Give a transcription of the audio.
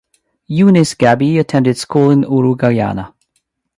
Eunice Gabbi attended school in Uruguaiana.